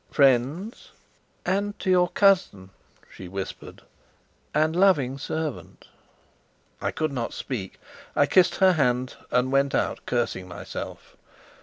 "Friends?" "And to your cousin," she whispered, "and loving servant." I could not speak. I kissed her hand, and went out cursing myself.